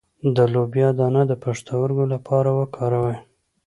د لوبیا دانه د پښتورګو لپاره وکاروئ